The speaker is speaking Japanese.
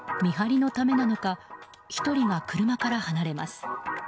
見張りのためなのか１人が車から離れます。